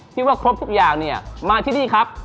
ที่ว่าครบทุกอย่างเนี่ยมาที่นี่ครับ